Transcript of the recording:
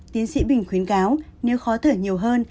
tiến sĩ bình khuyến cáo nếu khó thở nhiều hơn